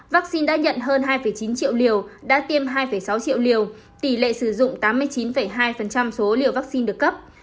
vaccine đã nhận hơn hai chín triệu liều đã tiêm hai sáu triệu liều tỷ lệ sử dụng tám mươi chín hai số liều vaccine được cấp